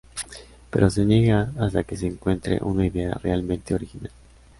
Pero se niega hasta que encuentre una idea realmente original.